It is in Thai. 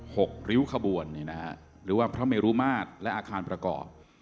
หกริ้วขบวนนี่นะฮะหรือว่าพระเมรุมาตรและอาคารประกอบ